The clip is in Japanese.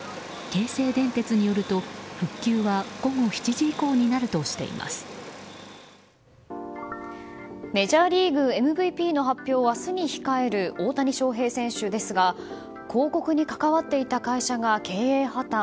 京成電鉄によると、復旧はメジャーリーグＭＶＰの発表を明日に控える大谷翔平選手ですが広告に関わっていた会社が経営破綻。